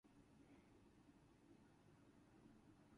Large ships must travel around Sri Lanka.